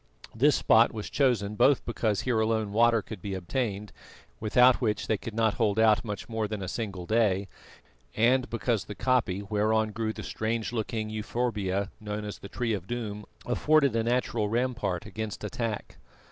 This spot was chosen both because here alone water could be obtained, without which they could not hold out more than a single day, and because the koppie whereon grew the strange looking euphorbia known as the Tree of Doom afforded a natural rampart against attack.